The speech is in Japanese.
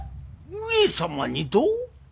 上様にと？